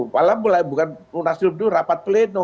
walau bukan munaslub dulu rapat pleno